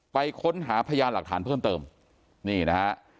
ไปค้นหาพยานหลักฐานเพิ่มเติมนี่นะฮะ